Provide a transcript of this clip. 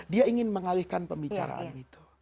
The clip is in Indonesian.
dia ingin mengalihkan pembicaraan itu